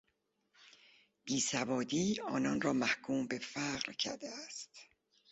بیسوادی آنان را محکوم به فقر کرده است.